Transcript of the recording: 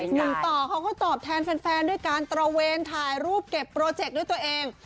ต่อเขาก็ตอบแทนแฟนด้วยการตระเวนถ่ายรูปเก็บโปรเจคด้วยตัวเอง